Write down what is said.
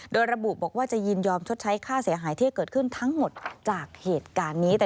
โดยระบุบอกว่าจะยินยอมชดใช้ค่าเสียหายที่เกิดขึ้นทั้งหมดจากเหตุการณ์นี้